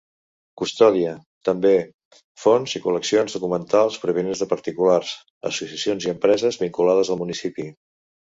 Custodia, també, fons i col·leccions documentals provinents de particulars, associacions i empreses vinculades al municipi.